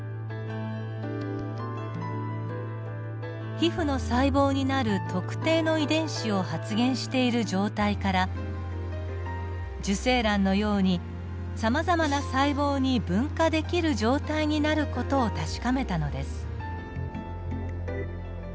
皮膚の細胞になる特定の遺伝子を発現している状態から受精卵のようにさまざまな細胞に分化できる状態になる事を確かめたのです。